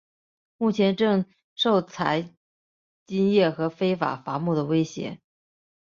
目前正受采金业和非法伐木的威胁。